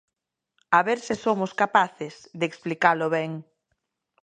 A ver se somos capaces de explicalo ben.